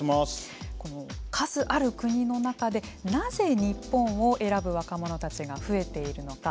この数ある国の中でなぜ日本を選ぶ若者たちが増えているのか。